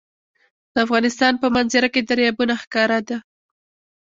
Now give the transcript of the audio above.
د افغانستان په منظره کې دریابونه ښکاره ده.